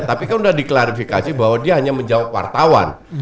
tapi kan sudah diklarifikasi bahwa dia hanya menjawab wartawan